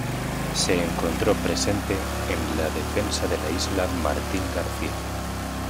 Se encontró presente en la defensa de la isla Martín García.